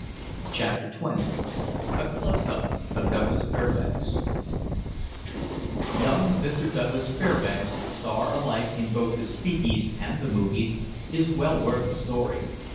CHAPTER XX A "CLOSE UP" OF DOUGLAS FAIRBANKS Young Mr. Douglas Fairbanks, star alike in both the "speakies" and the "movies," is well worth a story.